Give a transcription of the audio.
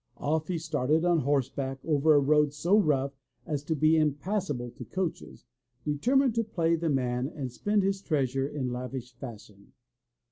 Off he started on horseback over a road so rough as to be impassable to coaches, determined to play the man and spend his treasure in lavish fashion.